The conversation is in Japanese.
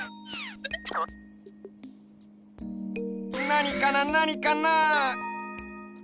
なにかななにかな？